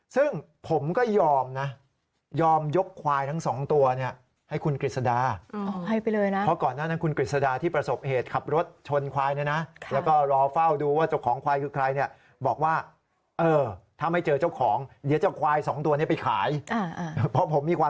ซึ่งผมก็ยอมยอมยกควายทั้งสองตัว